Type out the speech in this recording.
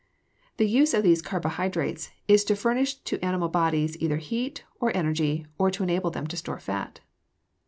The use of these carbohydrates is to furnish to animal bodies either heat or energy or to enable them to store fat.